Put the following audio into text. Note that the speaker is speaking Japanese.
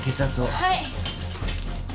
はい。